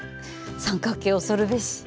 三角形恐るべし。